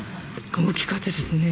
大きかったですね。